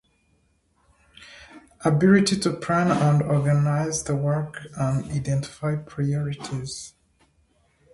Ability to plan and organize the work and identify priorities